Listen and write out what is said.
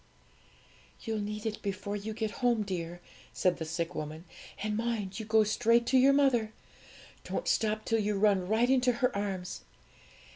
'You'll need it before you get home, dear,' said the sick woman; 'and mind you go straight to your mother. Don't stop till you run right into her arms!